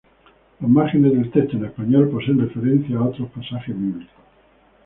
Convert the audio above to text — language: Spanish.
Los márgenes del texto en español poseen referencias a otros pasajes bíblicos.